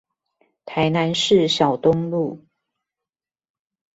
台南市小東路